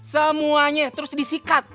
semuanya terus disikat